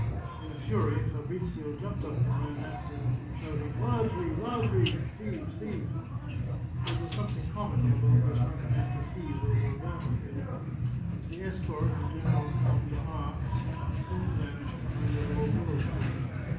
In a fury, Fabrizio jumped up and ran after them, shouting, " Ladri! ladri! "(" Thieves ! thieves !") There was something comical about this running after thieves over a battle field. The escort and General Count d'A soon vanished behind a row of willow trees.